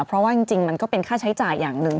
เพราะว่าจริงมันก็เป็นค่าใช้จ่ายอย่างหนึ่ง